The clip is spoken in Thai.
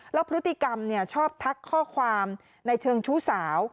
แล้วพฤติกรรมชอบทักข้อความในเชิงชู้สาว